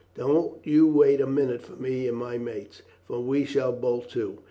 Don't you wait a minute for me and my mates, for we shall bolt too.